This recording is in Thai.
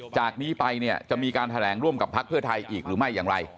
จากนี้ไปเนี่ยจะมีการแถลงร่วมกับพักเพื่อไทยอีกหรือไม่อย่างไร